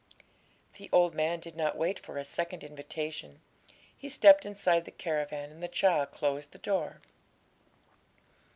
The old man did not wait for a second invitation; he stepped inside the caravan, and the child closed the door.